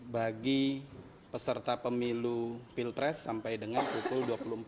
bagi peserta pemilu pilpres sampai dengan pukul dua puluh empat